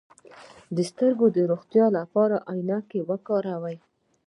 د سترګو د روغتیا لپاره عینکې وکاروئ